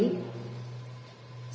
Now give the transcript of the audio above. dan pembangunan komunikasi